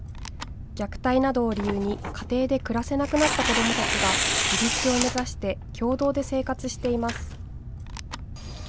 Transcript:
虐待などを理由に家庭で暮らせなくなった子どもたちが自立を目指して共同で生活しています。